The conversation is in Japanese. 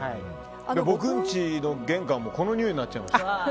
僕の家の玄関もこのにおいになっちゃいました。